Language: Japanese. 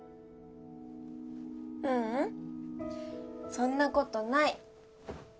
ううんそんなことない。